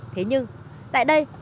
thế nhưng tại đây